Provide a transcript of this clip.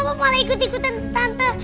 mau malah ikut ikutan tante